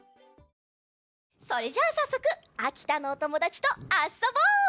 それじゃあさっそくあきたのおともだちとあそぼう！